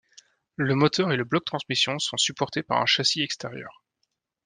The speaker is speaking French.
Le moteur et le bloc transmission sont supportés par un châssis extérieur.